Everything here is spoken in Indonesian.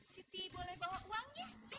siti boleh bawa uang ya